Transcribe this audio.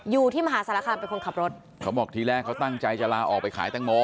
อยู่ที่มหาสารคามเป็นคนขับรถเขาบอกทีแรกเขาตั้งใจจะลาออกไปขายแตงโม